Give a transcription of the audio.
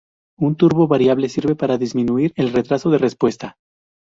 Un turbo variable sirve para disminuir el retraso de respuesta.